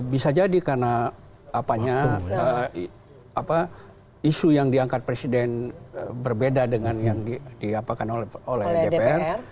bisa jadi karena isu yang diangkat presiden berbeda dengan yang diapakan oleh dpr